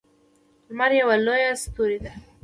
لمر یوه لویه ستوری ده